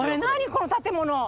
この建物。